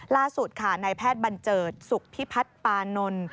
ล่าสุดค่ะนายแพทย์บันเจิดสุขพิพัฒน์ปานนท์